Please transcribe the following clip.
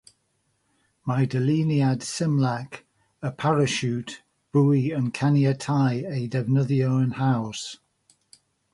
Mae dyluniad symlach y parasiwt bwi yn caniatáu ei ddefnyddio'n haws.